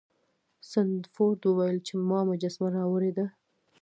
سنډفورډ وویل چې ما مجسمه راوړې ده.